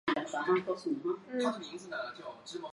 配属于五里桥车辆段和五路停车场。